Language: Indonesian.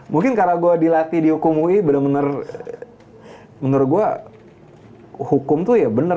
mungkin karena gue dilatih dihukum ui bener bener menurut gue hukum tuh ya benar